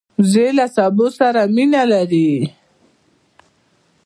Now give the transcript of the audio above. وزې له سبو سره مینه لري